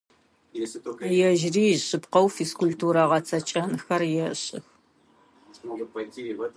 Ежьыри ишъыпкъэу физкультурэ гъэцэкӀэнхэр ешӀых.